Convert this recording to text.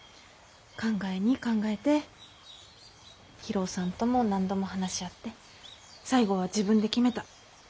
考えに考えて博夫さんとも何度も話し合って最後は自分で決めた。